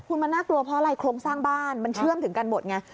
คุณมันน่ากลัวเพราะอะไรโครงสร้างบ้านมันเชื่อมถึงกันหมดไง